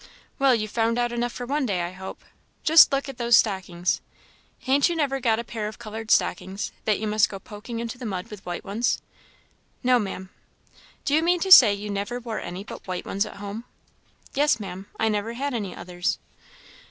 "Well you've found out enough for one day, I hope. Just look at those stockings! Han't you got never a pair of coloured stockings, that you must go poking into the mud with white ones?" "No, Maam." "Do you mean to say you never wore any but white ones at home?" "Yes, Maam I never had any others."